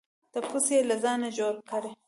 ټپوس یې له ځانه جوړ کړی.